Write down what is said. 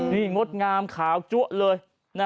นี่งดงามขาวจั๊วเลย